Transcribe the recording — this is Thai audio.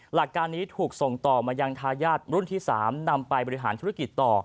หลักการนี้ถูกส่งต่อมายังทายาทรุ่นที่๓นำไปบริหารธุรกิจต่อ